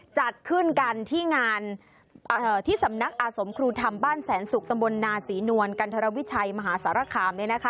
จัดขึ้นกันที่จำนักอสมครูธรรมบ้านแสนศุกร์ตมหนาศรีนวลกัณฑวิชัยมหาศรฆาม